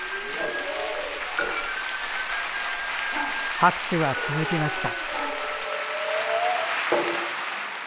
拍手が続きました。